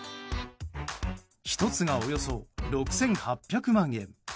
１つが、およそ６８００万円。